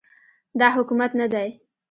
دا حکومت نه دی